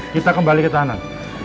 kita kembali ke tanah